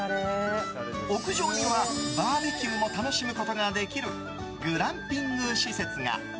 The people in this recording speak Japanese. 屋上にはバーベキューも楽しむことができるグランピング施設が。